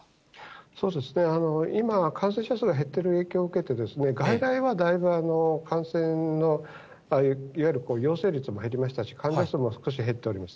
今、感染者数が減っている影響を受けて、外来はだいぶ感染のいわゆる陽性率も減りましたし、患者数も少し減っております。